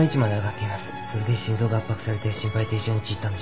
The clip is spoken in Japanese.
それで心臓が圧迫されて心肺停止に陥ったんでしょう。